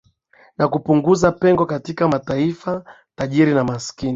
na kupunguza pengo kati mataifa tajiri na maskini